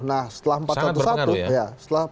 nah setelah empat ratus sebelas